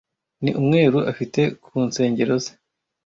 ni umweru afite ku nsengero ze